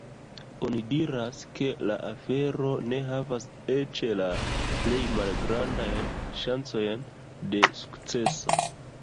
Oni diras, ke la afero ne havas eĉ la plej malgrandajn ŝancojn de sukceso.